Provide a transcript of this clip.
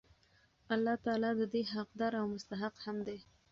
الله تعالی د دي حقدار او مستحق هم دی